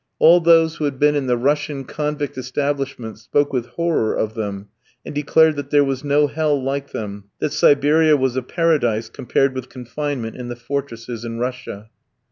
All those who had been in the Russian convict establishments spoke with horror of them, and declared that there was no hell like them, that Siberia was a paradise compared with confinement in the fortresses in Russia.